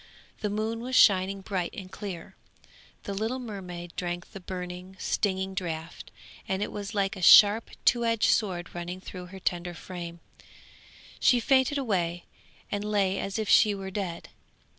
The moon was shining bright and clear. The little mermaid drank the burning, stinging draught, and it was like a sharp, two edged sword running through her tender frame; she fainted away and lay as if she were dead.